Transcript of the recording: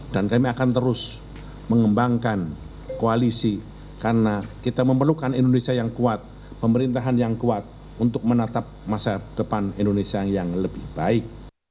dan kami akan terus mengembangkan koalisi karena kita memerlukan indonesia yang kuat pemerintahan yang kuat untuk menatap masa depan indonesia yang lebih baik